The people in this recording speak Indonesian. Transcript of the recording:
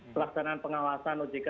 pelaksanaan pengawasan ojk